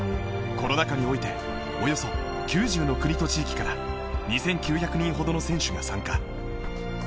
コロナ禍においておよそ９０の国と地域から２９００人ほどの選手が参加。